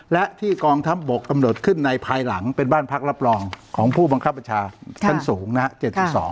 และที่กองทัพบกกำหนดขึ้นในภายหลังเป็นบ้านพักรับรองของผู้บังคับบัญชาชั้นสูงนะฮะ